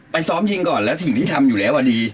ซ้อมยิงก่อนแล้วสิ่งที่ทำอยู่แล้วอ่ะดี